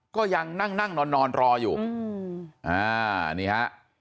ก็ยังนั่งนอนรออยู่อ่านี่ฮะ